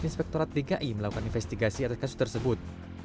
inspektorat dki melakukan investigasi atas kasus tersebut